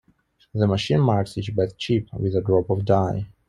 The machine marks each bad chip with a drop of dye.